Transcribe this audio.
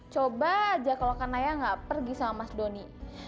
coba aja kalo kan naya gak pergi sama mas doni